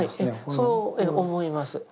そう思います。